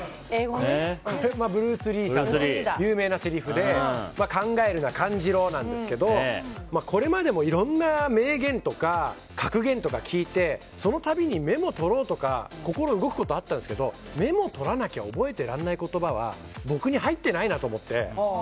ブルース・リーさんの有名なせりふで考えるな、感じろなんですけどこれまでも、いろんな名言とか格言とか聞いてその度にメモを取ろうとか心動くことあったんですけどメモとらなきゃ覚えてられない言葉は僕に入ってないなと思って。